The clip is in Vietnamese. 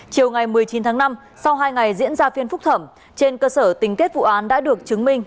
chiều một mươi chín tháng năm sau hai ngày diễn ra phiên phúc thẩm trên cơ sở tính kết vụ án đã được chứng minh